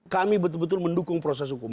kami betul betul mendukung proses hukum